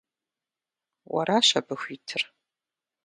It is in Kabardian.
Уэращ абы хуитыр.